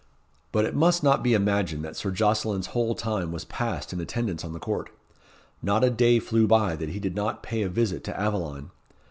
But it must not be imagined that Sir Jocelyn's whole time was passed in attendance on the court. Not a day flew by that he did not pay a visit to Aveline.